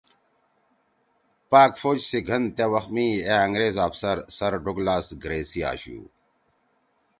پاک فوج سی گھن تے وَخ می اے انگریز افسر سر ڈوگلاس گریسی آشُو